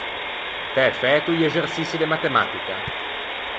T’æ fæto i exerçiçi de matematica?